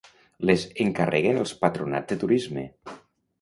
Les encarreguen els patronats de turisme!